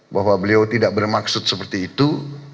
bahwa beliau tidak bermaksud seperti itu